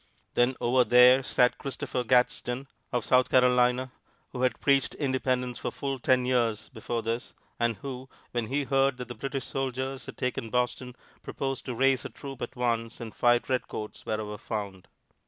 Then over there sat Christopher Gadsden, of South Carolina, who had preached independence for full ten years before this, and who, when he heard that the British soldiers had taken Boston, proposed to raise a troop at once and fight redcoats wherever found.